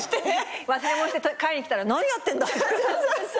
忘れ物して来たら何やってんだ？